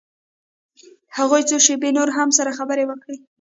هغوى څو شېبې نورې هم سره خبرې وکړې.